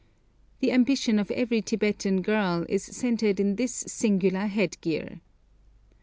The ambition of every Tibetan girl is centred in this singular headgear.